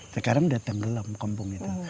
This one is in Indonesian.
sekarang sudah tenggelam kampung itu